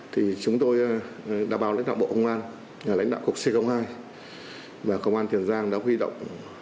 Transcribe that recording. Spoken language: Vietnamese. thì chúng tôi đã báo lãnh đạo bộ công an nhà lãnh đạo cục c hai và công an tiền giang đã huy động